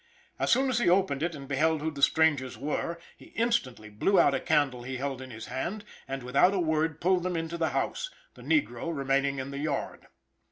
As soon as he opened it and beheld who the strangers were, he instantly blew out a candle he held in his hand, and without a word pulled them into the house, the negro remaining in the yard.